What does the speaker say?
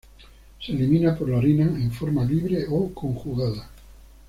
Se elimina por la orina en forma libre o conjugada.